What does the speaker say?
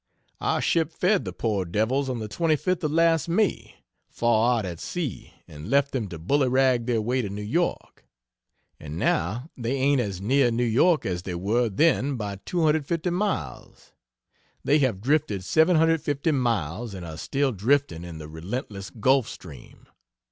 Our ship fed the poor devils on the 25th of last May, far out at sea and left them to bullyrag their way to New York and now they ain't as near New York as they were then by 250 miles! They have drifted 750 miles and are still drifting in the relentless Gulf Stream!